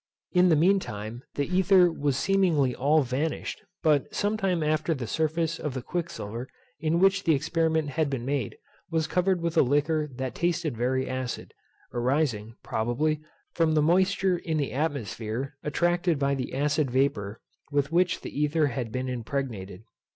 In the mean time the ether was seemingly all vanished, but some time after the surface of the quicksilver in which the experiment had been made was covered with a liquor that tasted very acid; arising, probably, from the moisture in the atmosphere attracted by the acid vapour with which the ether had been impregnated.